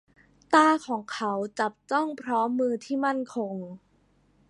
ตาของเขาจับจ้อง พร้อมมือที่มั่นคง